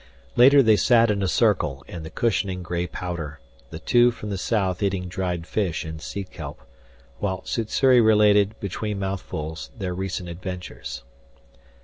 Later they sat in a circle in the cushioning gray powder, the two from the south eating dried fish and sea kelp, while Sssuri related, between mouthfuls, their recent adventures.